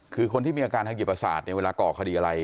คือคนที่มีอาการทางเกียจประสาทเวลาก่อคดีอะไร